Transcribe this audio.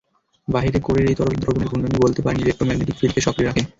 বাহিরের কোরের এই তরল দ্রবণের ঘূর্ণনই বলতে পারেন ইলেক্ট্রোম্যাগনেটিক ফিল্ডকে সক্রিয় রাখে।